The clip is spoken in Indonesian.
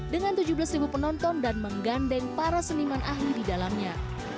dengan tujuh belas penonton dan menggandeng para seniman ahli di dalamnya